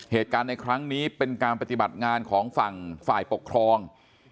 เหตุการณ์ในครั้งนี้เป็นการปฏิบัติงานของฝั่งฝ่ายปกครอง